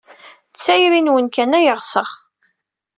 D tayri-nwen kan ay ɣseɣ.